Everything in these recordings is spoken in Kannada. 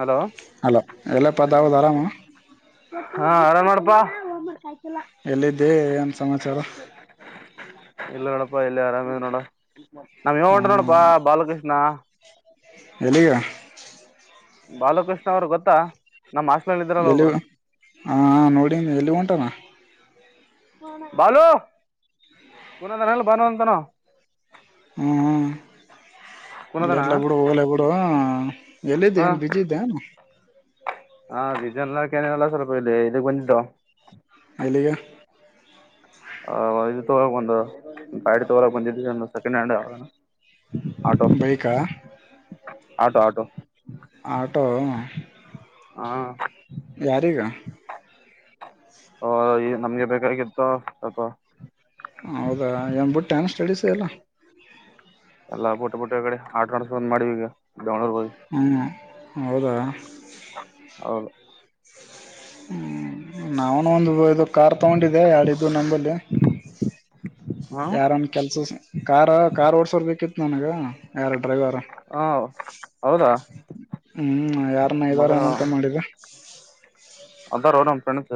ಹಲೋ ಹಲೋ ಎಲ್ಲಪ್ಪ ದಾವದ್ ಆರಾಮ ಹಾ ಆರಾಮ್ ಮಾಡಪಾ ಎಲ್ಲಿದ್ದೆ ಏನ್ ಸಮಾಚಾರ ಇಲ್ಲ ನೋಡಪ್ಪಾ ಎಲ್ಲ ಆರಾಮ್ ನೋಡ ನಮ್ ಇ ಉಂಟ್ರ ನೋಡಪಾ ಬಾಲಕೃಷ್ಣ ಎಲ್ಲಿಗಾ ಬಾಲಕೃಷ್ಣ ಅವರು ಗೊತ್ತಾ ನಮ್ ಹಾಸ್ಟೆಲ್ ಇದ್ರಲ್ಲ ಎಲ್ಲಿಗ ಒಬ್ರು ಹ ನೋಡಿಗ ಎಲ್ಲಿಗೆ ವಂಟಾನ ಬಾಲು ಕುನ ತಾನಲ್ಲ ಬಾನಂತನ ಹ್ಮ್ ಹ್ಮ ಇಲ್ಲ ಕುನದನ ಎಲ್ಲ ಬಿಡು ಹೋಗ್ಲೇ ಬಿಡು ಎಲ್ಲಿದ್ದ ನ್ ಬಿಜಿ ಇದ್ದನು ಆ ಬಿಜನ್ ಲಾಕ್ ಏನಿಲ್ಲ ಸ್ವಲ್ಪ ಇಲ್ಲಿಗೆ ಬಂದು ಎಲ್ಲಿಗೆ ಆ ಇದು ತಗೋ ಬಂದ ಗಾಡಿ ತಗೋಲಕ್ ಬಂದಿದ್ದಿವಿ ಒ ಸೆಕೆಂಡ್ ಹ್ಯಾಂಡ್ ಆ ಬೈಕಾ ಆಟೋ ಆಟೋ ಆಟೋ ಹಾ ಯಾರಿಗಾ ಹ ಈ ನಮ್ಗೆ ಬೇಕಾಗಿತ್ತ ಅಪ ಹೌದಾ ಏನ್ಬುಟ್ಟ ಏನ್ ಸ್ಟಡೀಸ್ ಎಲ್ಲ ಎಲ್ಲಾ ಬುಟ್ಬುಟೆ ಗಡಿ ಆಟೋ ನಡ್ಸಬೇಕಂತ ಮಾಡಿವ ಈಗ ಬೆಂಗಳೂರ್ ಹೋಗಿ ಹ್ಮ್ ಹೌದಾ ಹೌದು ಹ್ಮ್ ನಾವನ್ ಒಂದು ಇದು ಕಾರ್ ತಗೊಂಡಿದ್ದೆ ಯಾಡ್ ಇದ್ದುವ್ ನಂಬಲ್ಲಿ ಹ ಯಾರನ್ ಕೆಲ್ಸ ಕಾರ ಕಾರ್ ಓಡ್ಸೋರ್ ಬೇಕಿತ್ತು ನನಗ ಯಾರ ಡ್ರೈವರ್ ಹ ಹೌದಾ ಹ್ಮ್ ಯಾರನ್ನ ಇದಾರ ಮದರ ಏನಂತ ಮಾಡಿದೆ [inaudible] ಅದಾರೋ ನಮ್ ಫ್ರೆಂಡ್ಸ್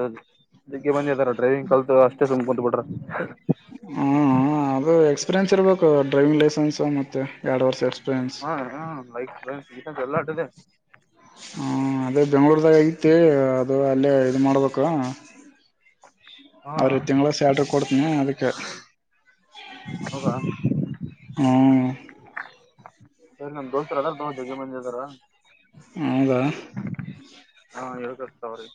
ಜಗ್ಗೆ ಮಂದಿ ಅದಾರ ಡ್ರೈವಿಂಗ್ ಕಲ್ತ್ ಅಷ್ಟೇ ಸುಮ್ ಕುಂತ್ ಬಿಟ್ರ ಹ್ಮ ಹ್ಮ ಅದು ಎಕ್ಸ್ಪೀರಿಯನ್ಸ್ ಇರ್ಬೇಕು ಡ್ರೈವಿಂಗ್ ಲೈಸೆನ್ಸ್ ಮತ್ತೆ ಎರಡ್ ವರ್ಷ ಎಕ್ಸ್ ಹ್ಮ ಹ್ಮ್ ಲೈಕ್ ಈ ಎಲ್ಲ ಅಡ್ಡದೆ [unintelligible] ಹಾ ಅದೇ ಬೆಂಗಳೂರ್ದಾಗ ಐತಿ ಅದು ಅಲ್ಲೇ ಇದು ಮಾಡ್ಬೇಕು ಹಾ ಅವ್ರಿಗ ತಿಂಗಳ ಸ್ಯಾಲ್ರಿ ಕೊಡ್ತೀನಿ ಅದಕ್ಕೆ ಹೌದಾ ಹ್ಮ ಸರಿ ನಮ್ ದೋಸ್ತರ ಅದಾರ ತೋಗ ಜಗ್ಗೆ ಮಂದಿ ಅದಾರ ಹೌದಾ ಹಾ ಹೇಳಬೇಕ ಅವ್ರಿಗ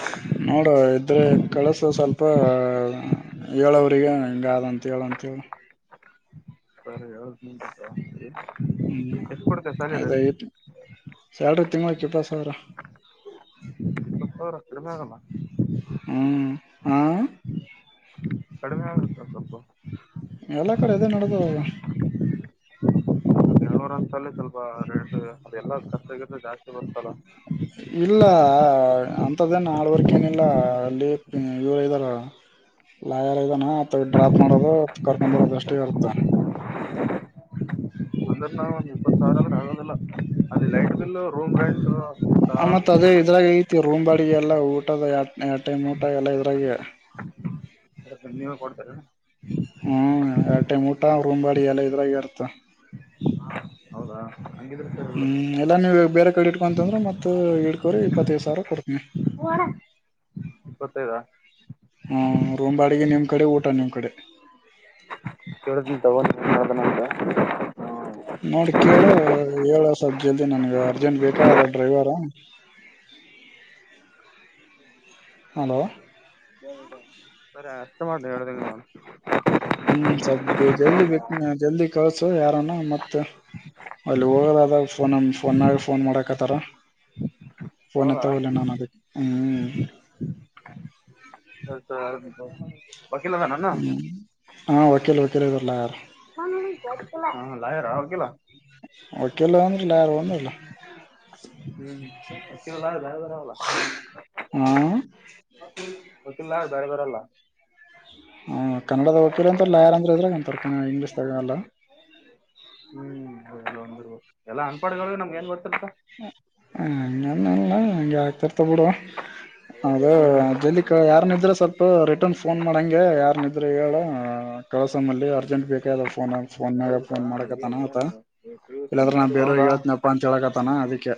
ಹ ನೋಡು ಇದ್ರೆ ಕಳಸ ಸ್ವಲ್ಪ ಹೇಳು ಅವರಿಗೆ ಹಿಂಗಾದಂತ ಹೇಳಂತ ಹೇಳು ಸರಿ ಹೇಳ್ತಿನಿ ತೋ ಹ್ಮ ಅದೆ ಐತಿ ಸ್ಯಾಲರಿ ತಿಂಗಳಕ್ಕ ಇಪ್ಪತ್ತ ಸಾವಿರ ಇಪ್ಪತ್ತ ಸಾವಿರ ಕಡಿಮೆ ಆಗಲ್ಲ ಹ್ಮ್ ಹಾ ಕಡಿಮೆ ಆಗುತ್ತಾ ಸ್ವಲ್ಪು ಎಲ್ಲ ಕಡೆ ಅದೇ ನಡದದಲ್ಲ ಬೆಂಗಳೂರು ಅಂತಲ್ಲಿ ಸ್ವಲ್ಪ ರೇಟ್ ಅದೆಲ್ಲ ಖರ್ಚಾಗಿತ್ತ ಜಾಸ್ತಿ ಬರ್ತಲ್ಲ ಇಲ್ಲ ಅಂತ್ದೇನ್ ಹಾರ್ಡ್ ವರ್ಕೇನಿಲ್ಲ ಅಲ್ಲಿ ಇವರ ಇದಾರ ಲಾಯರ್ ಇದಾನ ಮತ್ತ ಡ್ರಾಪ್ ಮಾಡೋದು ಕರ್ಕೊಂಡ್ ಬರೋದು ಅಷ್ಟೇ ಇರುತ್ತ ಅಂದ್ರ ನಾವು ಒಂದ ಇಪ್ಪತ್ ಸಾವಿರ ಅಂದ್ರೆ ಆಗೋದಿಲ್ಲ ಅಲ್ಲಿ ಲೈಟ್ ಬಿಲ್ ರೂಮ್ ರೆಂಟ್ ಆ ಮತ್ ಅದೇ ಇದ್ರಾಗ ಐತಿ ರೂಮ ಬಾಡಿಗಿ ಎಲ್ಲಾ ಊಟದ ಎರಡ್ ಟೈಮ್ ಊಟ ಎಲ್ಲ ಇದರಾಗೆ ನೀವೇ ಕೊಡ್ತಿರೇನು ಹ್ಮ ಎರಡ್ ಟೈಮ್ ಊಟ ರೂಮ್ ಬಾಡಿಗಿ ಎರಡು ಇದ್ರಾಗ ಇರ್ತ ಹಾ ಹೌದಾ ಹಂಗಿದ್ರೆ ಸರಿ ಹ್ಮ್ ಎಲ್ಲಾ ನೀವ ಬೇರೆ ಕಡೆ ಇಟ್ಕೊಂತಂದ್ರೆ ಮತ್ತ ಇಡ್ಕೋರಿ ಇಪ್ಪತ್ತೈದ ಸಾವಿರ ಕೊಡ್ತನಿ ಬಿಡು ಇಪ್ಪತ್ತೈದಾ ಹ್ಮ ರೂಮ್ ಬಾಡಿಗಿ ನಿಮ್ ಕಡೆ ಊಟ ನಿಮ್ ಕಡೆ ಹೇಳತಿನಿ ತಗೋ [unintelligible] ನೋಡ್ ಕೇಳ ಹೇಳಸ ಜಲ್ದಿ ನನ್ಗ ಅರ್ಜೆಂಟ್ ಬೇಕಾಗದ ಡ್ರೈವರ ಹಲೋ ಸರಿ ಅಷ್ಟೇ ಮಾಡ್ ನೀ ಹೇಳದಂಗ ಮಾಡ್ ಹ್ಮ್ ಸ್ವಲ್ಪ ಜಲ್ದಿ ಜಲ್ದಿ ಕಳ್ಸು ಯಾರನ ಮತ್ತ [unintelligible] ಅಲ್ಲಿ ಹೋಗದಾದಾಗ ಫೋನ ಫೋನ್ಗ ಫೋನ್ ಮಾಡಕತ್ತಾರ ಪೋನ್ ಹೌದಾ ಎತ್ತವಲ್ಯ ನಾನ ಅದಕ್ಕೆ ಹ್ಮ್ ಸರಿ ತಗೋ ಹೇಳ್ತಿನಿ ತಗೋ ವಕೀಲ್ ಅದಾನೇನು ಹ್ಮ್ ಹಾ ವಕೀಲ್ ವಕೀಲ್ ಇದಾರ ಲಾಯರ್ ಸುಮ್ಮ ಲಯಾರ ವಕೀಲಾ ವಕಿಲ್ಲ ಅಂದ್ರ ಲಾಯರ ಒಂದೆಲ್ಲ ಹ್ಮ್ ವಕಿಲ ಬ್ಯಾರದರ ಅವಲ್ಲ ಹ್ಮ ವಕಿಲ್ಲ ಬ್ಯಾರದರಲ್ಲ ಹ್ ಕನ್ನಡದ ವಕಿಲ್ಲ ಅಂತ ಲಯಾರ ಅಂದ್ರ ಎದ್ರಾಗ ಅಂತರ ಇಂಗ್ಲೀಷದಾಗಲ್ಲ ಹ್ಮ್ ಅದಂದು ಎಲ್ಲ ಅನ್ಪಾರಡ್ಗಳ ನಮ್ಗೆ ಏನ್ ಗೋತ್ತಿರತದ ಹ್ಮ ನೆ ನೆ ಹಂಗೆ ಆಗ್ತಿರ್ತವ ಬಿಡು ಹೌದಾ ಹೌದ ಏನ್ ಜಲ್ದಿ ಯಾರ್ನಿದ್ರ ಸ್ವಲ್ಪ ರಿಟರ್ನ್ ಫೋನ್ ಮಾಡಂಗೆ ಯಾರ್ನಿದ್ರ ಹೇಳ ಕಳಸಮ್ಮಲ್ಲಿ ಅರ್ಜೆಂಟ್ ಬೇಕದ ಫೋನ್ ಫೋನ್ ಮ್ಯಾಗ ಫೋನ್ ಮಾಡಕತಾನ ಆತ ಏನು ಪಿ ಯು ಸಿ ಇಲ್ಲಾಂದ್ರೆ ನಾ ಬೇರ ಹೌದಾ ಇವತ್ತು ಜಪಾನ್ಂತೇಳಕತಾನ ಅದಕ್ಕೆ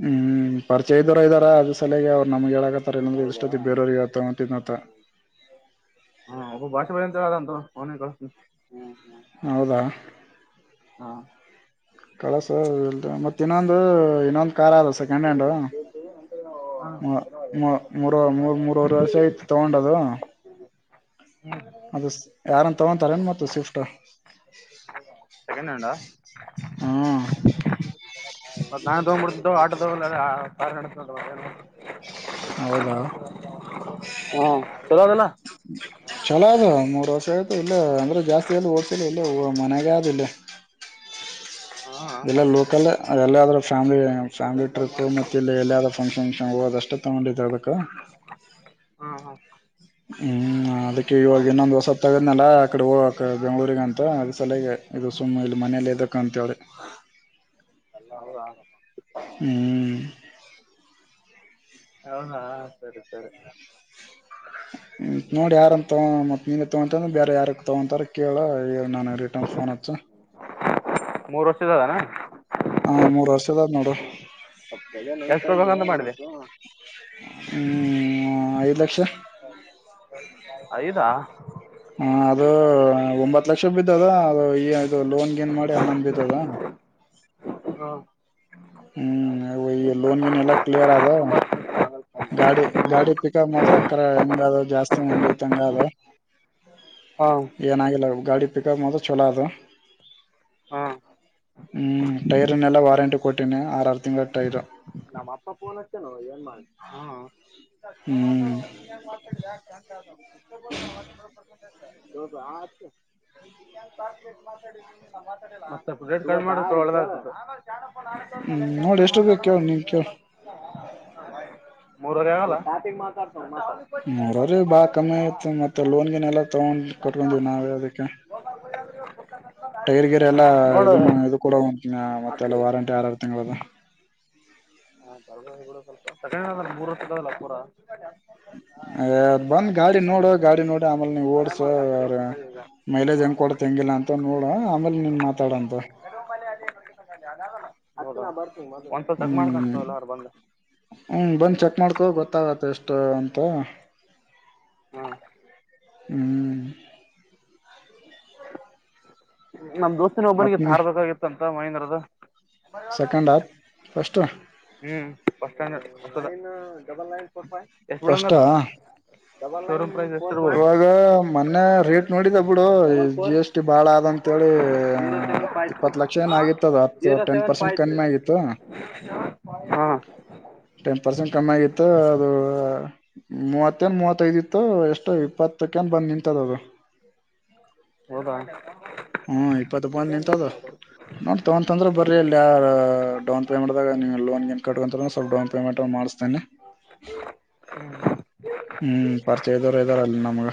[inaudible] ಹ್ಮ್ ಪರಿಚಯದವರ ಇದ್ದ ಅದ ಸಲಯಗೆ ಅವ್ ನಮ್ಗೆ ಹೇಳಕತ್ತತಾರೆಲ್ಲಂದ್ರೆ ಹೌದಾ ಎಷ್ಟೊತ್ತ ಬೇರವಿಗೆ ಟ ಹಾ ಒಬ್ಬ ಭಾಷೆ ಬಳ ಅಂತ ಅಂತ ಅವನ ಕ ಹೌದಾ ಕಳಸ ಇಲ್ ಮತ್ತ ಇನ್ನೊಂದು ಇನ್ನೊಂದು ಕಾರ್ ಅದ ಸೆಕೆಂಡ್ ಹ್ಯಾಂಡ್ ಮ ಏನೋ ಮೂರ ಮೂರ್ ಮೂರವರೆ ವರ್ಷ ಆಯ್ತು ತಗೊಂಡದು ಅದು ಯಾರನ್ ತಗೊತಾರ ನು ಮ ಸ್ವಿಫ್ಟ ಏನಡ ಹ್ಮ ಮತ್ತ ನಾನ್ ತೋಗ್ಬಿಡ ಆಟ ತ ನಡ ಹೌದಾ ಹ್ಮ ಕೆಲದಲ್ಲ ಚಲೋ ಅದು ಮೂರ್ ವರ್ಷ ಆಯ್ತು ಇಲ್ಲ ಅಂದ್ರೆ ಜಾಸ್ತಿಿಯಲ್ಲಿ ಓಡ್ಸಿಲ್ಲ ಇಲ್ಲ ಮನೆಾಗ ಆದ ಇಲ್ಲ [inaudible] ಇಲ್ಲ ಲೋಕಲ್ ಎಲ್ಲಾದ್ರೂ ಫ್ಯಾಮಿಲಿ ಫ್ಯಾಮಿಲಿ ಟ್ರಿಪ್ ಮತ್ತೆ ಇಲ್ಲಿ ಎಲ್ಲಾದ ಫಂಕ್ಷನ್ ಹೋದಷ್ಟೇ ತಗೊಂಡಿದರು ಅದಕ್ಕ ಹ್ಮ್ ಅದಕ್ಕೆ ಇವಾಗ ಇನ್ನೊಂದ್ ವಸ ತಗದ್ನಲ್ಲ ಆಕಡೆ ಹೋಗ್ಕ ಬೆಂಗ್ಗಳೂಗಂತ ಅದ್ ಸಲಗ ಇದು ಸು ಇಲ್ಲಿ ಮನೆಯಲ್ಲದ ಕಾಣಂತಳಿ ಹ್ಮ್ ಹೌದಾ ಸರಿ ಸರಿ ನೋಡಿ ಯಾರ ತಗ ಮತ್ತ ಮನ್ ತಗೊಂತಂದ್ರ ಬೇರೆ ಯಾರ ತಗೋಂತಾರ ಕೇಳ ನ ರಿಟನ್ ಫೋನ ಅಚ್ಚ ಮೂರು ವರ್ಷ ಜಲ್ಲ ನ ಹಾ ಮೂರ್ ವರ್ಷದ್ ನೋಡು ಎಷ್ಟೋಗಂತ ಮಾಡಿದೆ ಹ್ಮ ಐದು ಲಕ್ಷ ಐದ ಹ ಅದು ಒಂಬತ್ ಲಕ್ಷ ಬಿದ್ದದ ಅದು ಈ ಇದು ಲೋನ್ ಏನ್ ಮಾಡಿ ಹನ್ನೊಂದ್ ಬಿದ್ದದ [inaudible] ಹ್ಮ್ ಲೋನ್ಗೆನೆೆಲ್ಲ ಕ್ಲಿಯರ್ ಆದದ ಗಾಡಿ ಗಾಡಿ ಪಿಕಪ್ ಮಾತ್ರ ಕ ಹೆಂಗ ಅದ ಜಾಸ್ತಿ ಹೆಂಗ ಐತ್ಂಗ ಅದ ಹಾ ಏನಾಗಿಲ್ಲ ಗಾಡಿ ಪಿಕಪ್ ಮಾತ್ರ ಚಲೋ ಅದು ಹಾ ಹ್ಮ್ ಟೈರ್ನ್ನೆಲ್ಲ ವಾರಂಟಿ ಕೊಟ್ಟಿನಿ ಆರ ಆರು ತಿಂಗಳ ಟೈರು ನಮ್ಮ ಅಪ್ಪ ಫೋನ್ ಅಚ್ಚ ಏನ್ ಮಾಡ ಹ್ಮ್ [inaudible] ಮಾಡ [unintelligible] ಹ್ಮ್ ನೋಡಿ ಎಷ್ಟು ಬೇಕ ಕೇೇಳ ನೀ ಕೇಳ ಸ್ಟಾರ್ಟಿಂಗ್ ಮಾತ ಮೂರ್ರೀ ಬಾ ಕಮ್ಮಿ ಆಯತ್ ಮತ್ತೆ ಲೋನ್ಗನ್ ಎಲ್ಲ ತಗೊಂಡ್ ಕಟ್ಕೊಂಡೀವಿ ನಾವೇ ಅದಕ್ಕೆ ಟೈರ್ ಗಿರ್ ಎಲ್ಲಾ ನೋಡು ಇದು ಇದು ಕೂಡ ಒಂದ್ ಮತ್ತೆಲ್ಲಾ ವಾರಂಟಿ ಆರರ್ ತಿಂಗಳದ ತಗದ ಮೂರ್ ವರ್ಷದಲ್ಲ ಪೂರ ಅ ಬಂದ ಗಾಡಿ ನೋಡು ಗಾಡಿ ನೋಡಿ ಆಮೇಲ್ ನೀವ ಓಡ್ಸ ಆರಾಮ ಯಾರ ಮೈಲೇಜ್ ಹೆಂಗ್ ಕೊಡ ಹೆಂಗಿಲ್ಲ ಅಂತ ನೋಡ ಆಮೇಲೆ ನೀನ್ ಮಾತಾಡಂತ ಒಂದ್ಸಲಲ್ ತಗ ಮಾಡ್ಬಂತು ಎಲ್ಲ ಅವ ಬಂದ ಹ್ಮ ಬಂದು ಚೆಕ್ ಮಾಡ್ಕೋ ಗೊತ್ತಾಗತ್ತೆ ಎಷ್ಟು ಅಂತ ಹ್ಮ್ ನಮ್ ದೋಸ್ತಿನ ಒಬ್ಬನಿಗೆ ಮತ್ ತಾರ್ಬೇಕಾಗಿತ್ತ ಅಂತ ಮಹೇಂದ್ರದ ಸೆಕೆಂಡಂಡ ಹಫ ಎಷ್ಟು ಬಫ ಸ್ಟ್ಯಾ ಡಬಲ್ ನೈನ್ ಫೋ ಫ್ ಎಷ್ಟ ಫಸ್ಟ ಡ ಎಷ್ಟಿರಬಹುದು ಇವಾಗ ಮೊನ್ನೆ ರೇಟ್ ನೋಡಿದ ಬಿಡು ಈ ಜಿ ಫೋರ್ ಎಸ್ ಟಿ ಬಾಳ ಅಂತೇಳಿ ಜೀರೋ ಹ ಸೆವೆನ್ ಫೈವ್ ತ್ರೀ ಇಪ್ಪತ್ ಲಕ್ಷ ಏನ ಆಗಿತ್ತದು ಹತ್ತು zero ten seven percent five three ಕಮ್ಮಿ ಆಗಿತ್ತು ಹಾ ಟೆನ್ ಪರ್ಸೆಂಟ್ ಕಮ್ಮಿ ಆಗಿತ್ತು ಅದು ಮೂವತ್ತನ್ ಮೂವತ್ತೈದ ಇತ್ತು ಎಷ್ಟು ಇಪ್ಪತ್ತಕ್ಕನ್ ಬಂದ್ ನಿಂತದದು ಹೌದಾ ಹ್ಮ ಇಪ್ಪತ್ಪ್ಪಂದ ನಿಂತದ ನೋಡ್ ತಗೊಂತಂದ್ರ ಬರರಿ ಅಲ್ಲಿ ಯ ಡೌನ್ ಪೇಮೆಂಟ್ಾಗ ಲೋನ್ ಏನ್ ಕಕಂತ ಸ್ಲ್ಪ ಡೌನ್ ಪೇಮೆಂಟ್ ಮಾಡಿಸ್ತೇಾನೆ ಹ್ಮ್ ಪರ್ಚ ಇದವರ ಅದ್ರ್ ನಮ್ಗೆ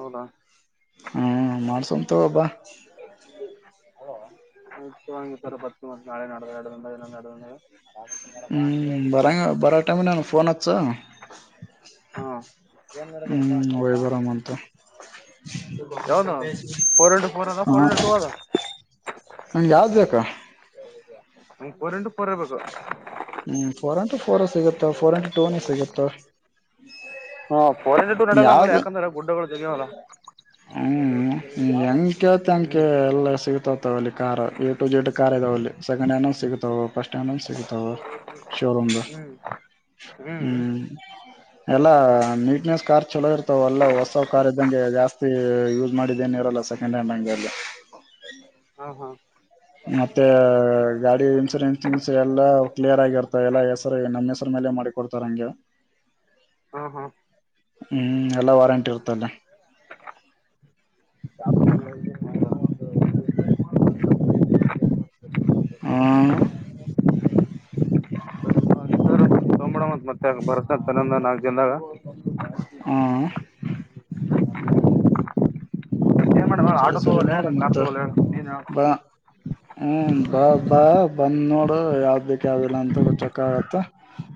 ಹೌದಾ ಹ್ಮ್ ಮಾಡಸುಂತಗು ಬಾ ಹಂಗೆ ಸರ್ ಬರ್ತೀವಿ ಮತ್ತೆ ನಾಳೆ ನಾಡ್ದ ಎರಡು ದಿನದಾಗ ಇನ್ನೊಂದು ಎರಡು ದಿನದಾಗ ಹ್ಞೂ ಬರೋಂಗ ಬರೋ ಟೈಮ ನನಗ ಫೋನ್ ಹಚ್ಚು ಹಾಂ ಹ್ಮ್ ವೈ ಬರ ಮತ ಯಾವುದು ಫೋರ್ ಇಂಟು ಫೋರ್ ಅದ ಹಾ ಫೋರ್ ಇಂಟು ಟೂ ಅದ ನಂಗೆ ಯಾವ್ದ ಬೇಕಾ ನಂಗೆ ಫೋರ್ ಇಂಟು ಫೋರ್ ಇರಬೇಕು ಹ್ಮ್ ಫೋರ್ ಇಂಟು ಫೋರ್ ಸಿಗುತ್ತ ಫೋರ್ ಇಂಟು ಟೂನ ಸಿಗುತ್ತ ಕರ ಡ್ು ನಡಲ್ಲ ಮಬೆಲ್ಲಿ ಯಾವ್ದ ಯಾಕಂದ್ರೆ ಗುಡ್ಡಗಳು ಜಗ್ಯಾವಲ್ಲ ಹ್ಮ ಹೆಂ್ಕತಂಕ ಎಲ್ಲ ಸಿಗುತ್ತ ಅಲ್ಲಿ car A to Z car ಇದಾವ ಅಲ್ಲಿ ಸೆಕಂಡ್ ಹ್ಯಾಂಡ್ಂದ ಸಿಗತಾವ ಫಸ್ಟ್ ಹ್ಯಾಂಡ್ಂದ ಸಿಗತಾವ ಶೋರೂಮ ಹ್ಮ್ ಹ್ಮ್ ಹ್ಮ ಎಲ್ಲಾ ನೀಟ್ನೆಸ್ ಕಾರ್ ಚಲೋ ಇರ್ತವ ಅಲ್ಲ ಹೊಸ ಕಾರ್ ಇದ್ದಂಗೆ ಜಾಸ್ತಿ ಯೂಸ್ ಮಾಡಿದೇನ ಇರಲ್ಲ ಸೆಕೆಂಡ್ ಹ್ಯಾಂಡ್ ಹಂಗೆ ಅ ಹ್ಮ ಹಾ ಹಾ ಮತ್ತೆ ಗಾಡಿ ಇನ್ಸೂರೆನ್ಸ್ನ್ ಎಲ್ಲಾ ಕ್ಲಿಯರ್ ಆಗಿರ್ತಾವ ಎಲ್ಲಾ ಹೆಸರು ನಮ್ಮ್ ಹೆಸರು ಮೇಲೆ ಮಾಡಿಕೊಡ್ತಾರ ಹಂಗೆ ಹಾ ಹಾ ಹ್ಮ್ ಎಲ್ಲ ವಾರಂಟಿ ಇರ್ತಲ್ಲ ಹ ತಗೊಂಬಿಡಮಂತ್ ಮತ್ತೆ ಬರ್ಸ ತನ್ನಂದ ನಾಲ್ಕ್ ದಿನದಾಗ ಹ ಏನ್ ಮಾಡ ಸರಿ ಆಟೋ ಸರಿ ತಗೋಲ್ಲ ನೋಡ ಏನ್ ಕಾರ್ ಮತ್ತೆ ತಗೋಲ್ಲ ಹೇಳು ನೀನ್ ಹೇಳು ಬಾ ಹ್ಮ ಬಾ ಬಾ ಬಂದ್ ನೋಡು ಯಾವ್ದ್ ಬೇಕ ಯಾವ್ದಿಲ್ಲ ಅಂತ ಚಕ್ಕ ಆಗತ್ತ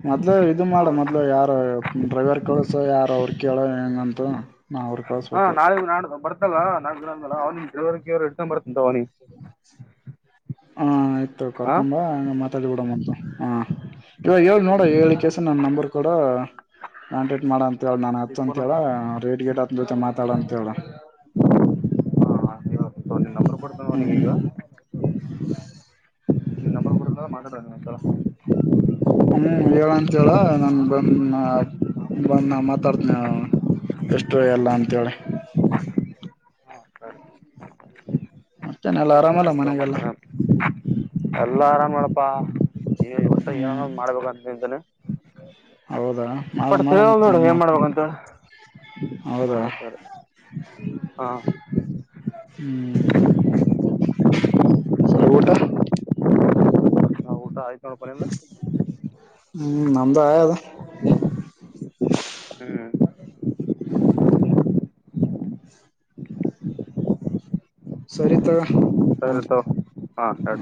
ಮೊದ್ಲ ಇದು ಮಾಡ ಮೊದ್ ಯಾರ ಡ್ರೈವರ್ ಕೇಳಸ ಯಾರ ಅವ್ರ ಕೇಳ ಹೆಂಗಂತ ನಾ ಅವ್ರ ಹಾ ಕಳ್ಸ್ಬೇಕು ನಾಲ್ ನಾ ಬರ್ತಲ್ಲ ನಾಕ ದ ಅವ್ವವರು ಇಡ್ೊಂಡ ಬತ ಹಾ ಆಯ್ತು ಹಾ ಕರ್ಕೊಂಬ ಮತ್ತ ಬಿಡಂತ ಹ ಇವಾಗ ಹೇಳ ನೋಡ ಹೇಳ ಕೆಸ ನನ್ ನಂಬರ್ ಕೂಡ ಕಾಂಟೇಟ್ ಮಾಡಂತ ಹೇಳ ನಾ ಈಗ ಹಚ್ ಅಂತ ಫೋನ್ ಹೇಳ ಹಚ್ಚು ರೇಟ್ ಗೇಟ್ ಹತ್ನ ಜೊತೆ ಮಾತಾಡ ಅಂತ ಹೇಳ ನಿನ್ ನಂಬರ್ ಕೊಡ್ತೇನೆ ಹ್ಮ ಅವ್ನಿಗೆ ಹ್ಮ ಈಗ ನಿನ್ ನಂಬರ್ ಕೊಡ್ತನಲ್ಲ ಮಾತಾಡು ಅವ್ನಿಗೆ ಒಂದ್ಸಲ ಹ್ಮ ಹೇಳ ಅಂತ ಹೇಳ ನನ್ ಬಂದ ಬಂದ ಮಾತಾಡ್ತನಿ ಎಷ್ಟೋ ಎಲ್ಲ ಅಂತೇಳಿ ಹಾ ಸರಿ ಮತ್ತೇನೆ ಎಲ್ಲ ಹಂಗಿತ್ತಂದ್ರ ಆರಾಮಲ್ಲ ಆಯ್ತು ತಗೋ ಮನೆಗೆಲ್ಲ ಮತ್ತೆ ಎಲ್ಲಾ ಆರಾಮ್ ಮಾಡಪ್ಪಾ ಈ ಟ್ಟ ಹ್ಮ್ ಏನಾದ್ ಮಾಡ್ಬೇಕ ಅಂತ ನಿಂತನೆ ಹೌದಾ ಮಾಡ ಮಾಡ ತಿಳಿವಲ್ದು ಮತ್ತೆ ನೋಡು ಏನ್ ಮಾಡ್ಬೇಕಂತ ಹೌದಾ ಹೇಳಿ ಸರಿ ಸರಿ ಹಾ ಹ್ಮ್ ಹೊರ ಊಟ [inaudible] ಊಟ ಆಯ್ತು ನೋಡಪ ನಿಂದು ಹ್ಮ್ ನಮದ ಆ ಅದ [inaudible] ಹ್ಮ್ ಹ್ಮ್ ಹ್ಮ್ [inaudible] ಸರಿತ ಸರಿದ ಹ್ಮ